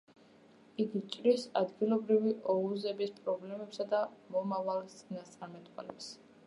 იგი ჭრის ადგილობრივი ოღუზების პრობლემებსა და მომავალს წინასწარმეტყველებს.